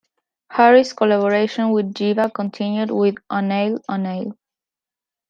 Harris' collaboration with Jeeva continued with "Unnale Unnale".